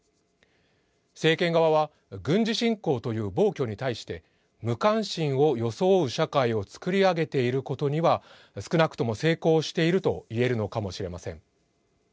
政権側は軍事侵攻という暴挙に対して無関心を装う社会を作り上げていることには少なくとも成功しているといえるのかもしれません。